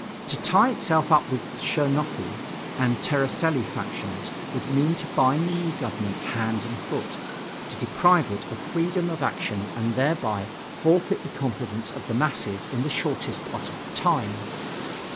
To tie itself up with the Chernofi and Tseretelli factions would mean to bind the new government hand and foot to deprive it of freedom of action and thereby forfeit the confidence of the masses in the shortest possible time.